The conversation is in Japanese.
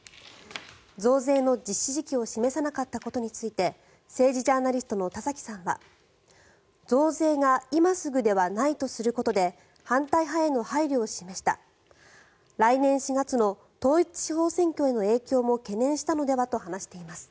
増税の実施時期を示さなかったことについて政治ジャーナリストの田崎さんは増税が今すぐではないとすることで反対派への配慮を示した来年４月の統一地方選挙への影響も懸念したのではと話しています。